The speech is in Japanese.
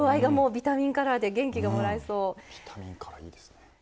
ビタミンカラーいいですね。